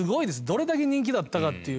どれだけ人気だったかっていう。